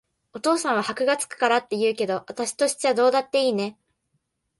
お父さんは箔が付くからって言うけど、あたしとしちゃどうだっていいね。